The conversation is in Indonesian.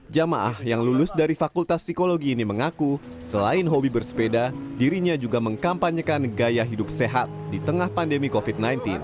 jamaah yang lulus dari fakultas psikologi ini mengaku selain hobi bersepeda dirinya juga mengkampanyekan gaya hidup sehat di tengah pandemi covid sembilan belas